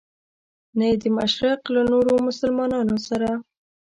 نه یې د مشرق له نورو مسلمانانو سره.